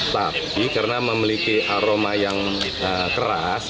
tapi karena memiliki aroma yang keras